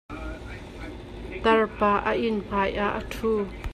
Tar pa a inn hmai ah a ṭhu.